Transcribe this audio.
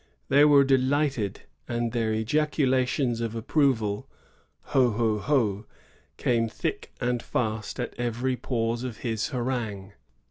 They were delighted; and their ejaculations of approval — hohrhoh Jioh — came thick and fast at every pause of his harangue.